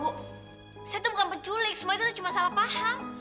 bu saya itu bukan penculik semua itu cuma salah paham